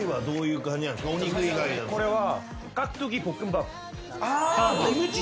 これは。